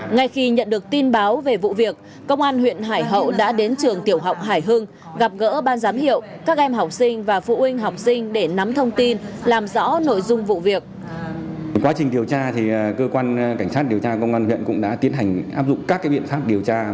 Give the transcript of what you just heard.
ngay khi nhận được tin báo về vụ việc công an huyện hải hậu đã đến trường tiểu học hải hưng gặp gỡ ban giám hiệu các em học sinh và phụ huynh học sinh để nắm thông tin làm rõ nội dung vụ việc